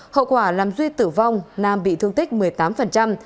hậu quả làm duy tử vong nam bị thương tích một mươi tám